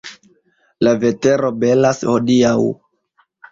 La vetero belas hodiaŭ.